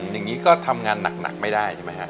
อย่างนี้ก็ทำงานหนักไม่ได้ใช่ไหมฮะ